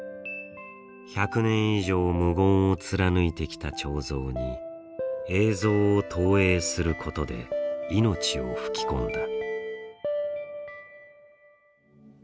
１００年以上無言を貫いてきた彫像に映像を投影することで命を吹き込んだ。